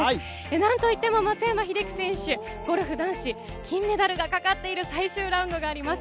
なんといっても松山英樹選手、ゴルフ男子、金メダルがかかっている最終ラウンドがあります。